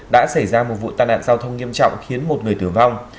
đã xảy ra một vụ tai nạn giao thông nghiêm trọng khiến một người tử vong